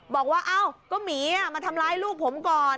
บอกว่าเอ้าก็หมีมาทำร้ายลูกผมก่อน